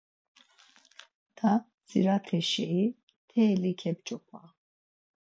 Na dzirate şei “teli kep̌ç̌opa”